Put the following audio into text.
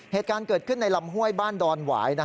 เหตุการณ์เกิดขึ้นในลำห้วยบ้านดอนหวาย